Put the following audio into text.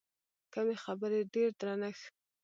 کمې خبرې، ډېر درنښت.